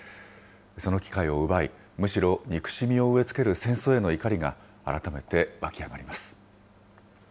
その機会を奪い、むしろ憎しみを植え付ける戦争への怒りが改めて湧き上がります。